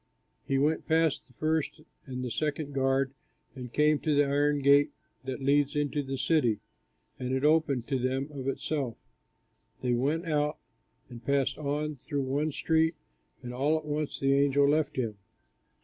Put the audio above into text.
They went past the first and the second guards, and came to the iron gate that leads into the city; and it opened to them of itself. They went out, and passed on through one street; and all at once the angel left him.